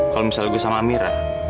kalau misalnya gue sama amira